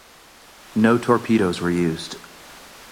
No torpedoes were used.